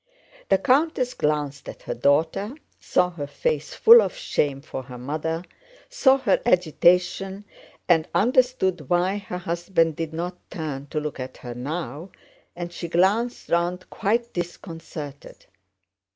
The countess glanced at her daughter, saw her face full of shame for her mother, saw her agitation, and understood why her husband did not turn to look at her now, and she glanced round quite disconcerted.